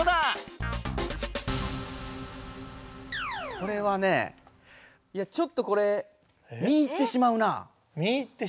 これはねいやちょっとこれ見入ってしまう？